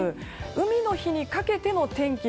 海の日にかけての天気